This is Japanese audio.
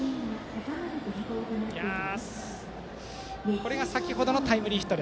これが先程のタイムリーヒット。